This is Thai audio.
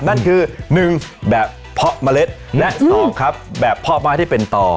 ก็คือหนึ่งแบบเพาะเมล็ดและสองครับแบบเพาะไม้ที่เป็นต่อ